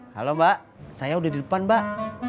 halo mbak saya udah di depan mbak